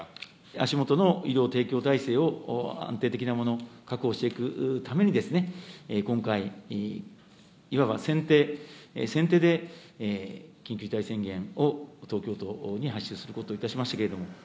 足元の医療提供体制を安定的なもの、確保していくために、今回、いわば先手先手で、緊急事態宣言を東京都に発出することといたしましたけれども。